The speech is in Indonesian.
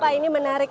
pak ini menarik